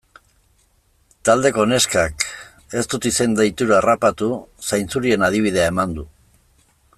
Taldeko neskak, ez dut izen-deitura harrapatu, zainzurien adibidea eman du.